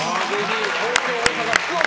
東京、大阪、福岡。